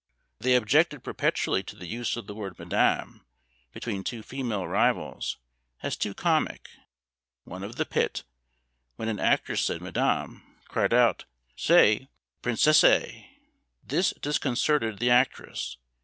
They objected perpetually to the use of the word Madame between two female rivals, as too comic; one of the pit, when an actress said Madame, cried out 'Say Princesse!' This disconcerted the actress.